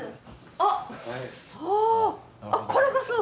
あっこれがそう？